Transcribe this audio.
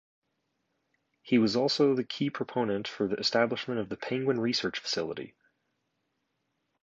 He was also the key proponent for the establishment of the penguin research facility.